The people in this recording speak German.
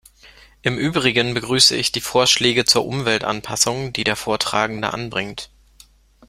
Im übrigen begrüße ich die Vorschläge zur Umweltanpassung, die der Vortragende anbringt.